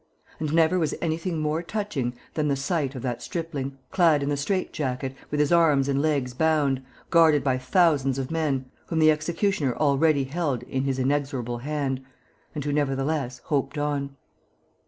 And never was anything more touching than the sight of that stripling clad in the strait jacket, with his arms and legs bound, guarded by thousands of men whom the executioner already held in his inexorable hand and who, nevertheless, hoped on.